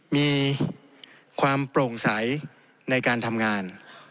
มีความโปร่งใสในการทำงาน